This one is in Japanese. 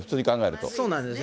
そうなんですね。